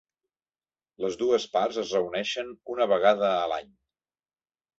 Les dues parts es reuneixen una vegada a l'any.